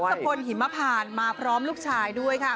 สะพลหิมพานมาพร้อมลูกชายด้วยค่ะ